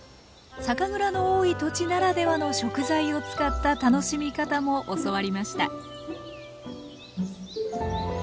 酒蔵の多い土地ならではの食材を使った楽しみ方も教わりました